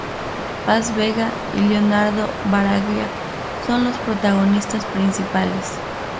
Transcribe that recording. Paz Vega y Leonardo Sbaraglia son los protagonistas principales.